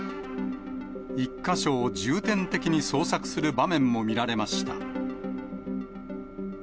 １か所を重点的に捜索する場面も見られました。